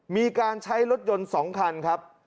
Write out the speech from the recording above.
มีการใช้รถยนต์๒คันครับ